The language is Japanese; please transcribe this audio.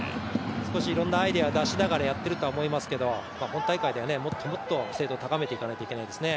いろんなアイデアを出しながらやってると思うんですけど本大会ではもっともっと精度を高めていかないといけないですね